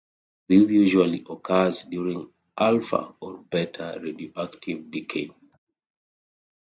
This usually occurs during alpha or beta radioactive decay.